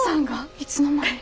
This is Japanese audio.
いつの間に？